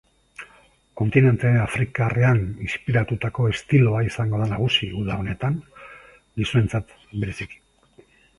Kontinente afrikarrean inspiratutako estiloa izango da nagusi uda honetan, gizonentzat bereziki.